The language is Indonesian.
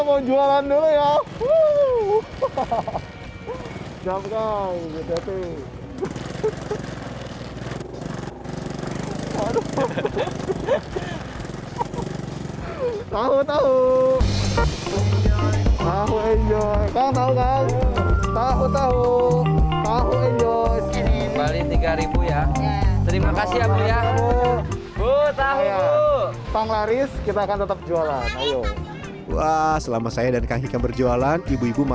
oke pemerintah kita mau jualan dulu ya